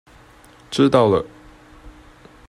知道了